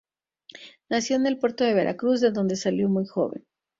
Nació en el Puerto de Veracruz, de donde salió muy joven.